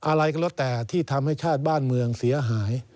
อะไรก็แล้วแต่ที่ทำให้ชาติบ้านเมืองเสียหาย